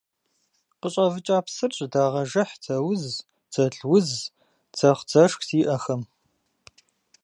Къыщӏэвыкӏа псыр жьэдагъэжыхь дзэуз, дзэлуз, дзэхъу-дзэшх зиӏэхэм.